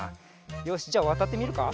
よしじゃわたってみるか？